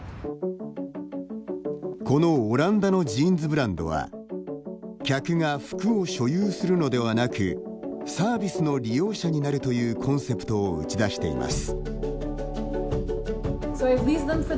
このオランダのジーンズブランドは客が服を所有するのではなくサービスの利用者になるというコンセプトを打ち出しています。